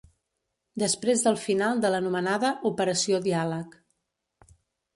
Després del final de l’anomenada ‘operació diàleg’